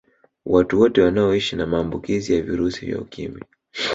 Watu wote wanaoishi na maambukizi ya virusi vya Ukimwi